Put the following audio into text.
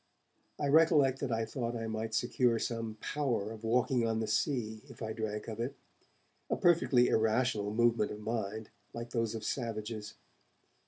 I recollect that I thought I might secure some power of walking on the sea, if I drank of it a perfectly irrational movement of mind, like those of savages.